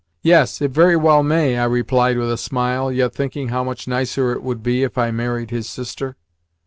"Yes, it very well may" I replied with a smile, yet thinking how much nicer it would be if I married his sister.